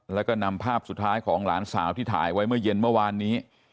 แล้วก็นำภาพสุดท้ายของหลานสาวที่ถ่ายไว้เมื่อเย็นเมื่อวานนี้